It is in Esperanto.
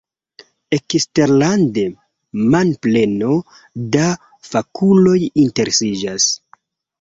Eksterlande manpleno da fakuloj interesiĝas.